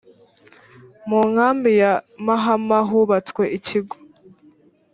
mu nkambi ya mahama hubatswe ikigo